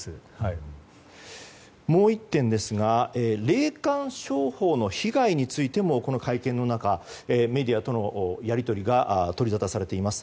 もう１点ですが霊感商法の被害についてもこの会見の中メディアとのやり取りが取りざたされています。